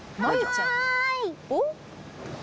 おっ？